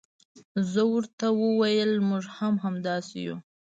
زه ورته وویل موږ هم همداسې یو.